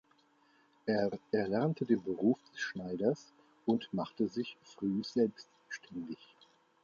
Er erlernte den Beruf des Schneiders und machte sich früh selbstständig.